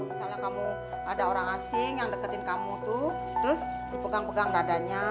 misalnya kamu ada orang asing yang deketin kamu tuh terus dipegang pegang dadanya